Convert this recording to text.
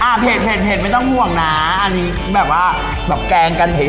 อันนี้แบบวะแกงกันเฉย